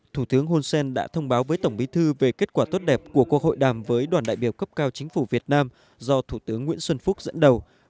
thủ tướng hun sen đã thông báo với tổng bí thư về kết quả tốt đẹp của cuộc hội đàm với đoàn đại biểu cấp cao chính phủ việt nam do thủ tướng nguyễn xuân phúc dẫn đầu